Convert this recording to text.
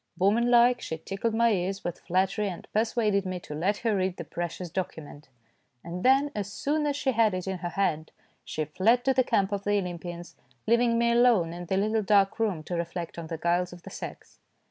Woman like, she tickled my ears with flat tery, and persuaded me to let her read the precious document ; and then, as soon as she had it in her hand, she fled to the camp of the Olympians, leaving me alone in the little dark room to reflect on the guiles of the sex.